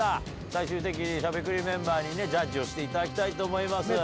最終的にしゃべくりメンバーにジャッジをしていただきたいと思います。